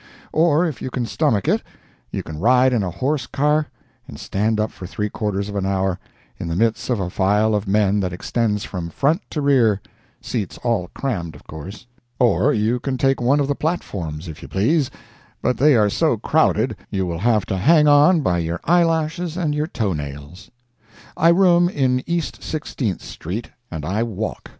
Or, if you can stomach it, you can ride in a horse car and stand up for three quarters of an hour, in the midst of a file of men that extends from front to rear (seats all crammed, of course,)—or you can take one of the platforms, if you please, but they are so crowded you will have to hang on by your eye lashes and your toe nails. I room in East Sixteenth street, and I walk.